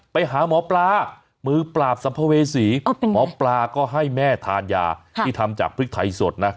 ไปหาหมอปลามือปราบสัมภเวษีหมอปลาก็ให้แม่ทานยาที่ทำจากพริกไทยสดนะ